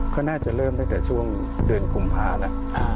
ก็น่าจะเริ่มตั้งแต่ช่วงเดือนกุมภาแล้ว